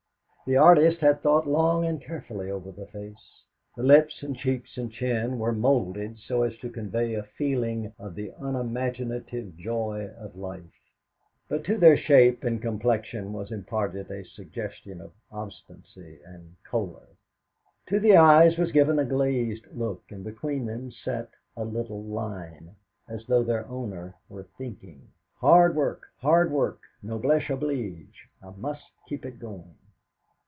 The artist had thought long and carefully over the face. The lips and cheeks and chin were moulded so as to convey a feeling of the unimaginative joy of life, but to their shape and complexion was imparted a suggestion of obstinacy and choler. To the eyes was given a glazed look, and between them set a little line, as though their owner were thinking: '.ard work, hard work! Noblesse oblige. I must keep it going!'